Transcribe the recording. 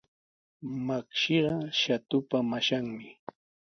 Makshiqa Shatupa mashanmi.